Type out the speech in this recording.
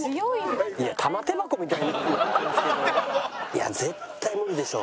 いや絶対無理でしょ。